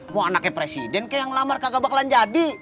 mau anaknya presiden ke yang melamar kagak bakalan jadi